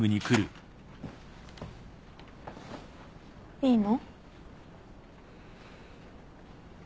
いいの？